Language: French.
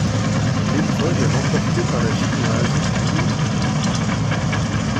L'épreuve est remportée par la Chinoise Liu Hong.